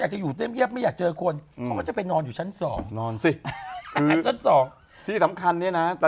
จะได้บันทึกเป็นสถิติโรค